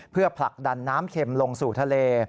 เพื่อผลักดันน้ำเข็มลงสู่ทะเล